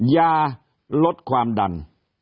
ยาลดความดัน